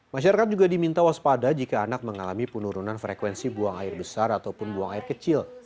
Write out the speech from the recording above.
masyarakat juga diminta waspada jika anak mengalami penurunan frekuensi buang air besar ataupun buang air kecil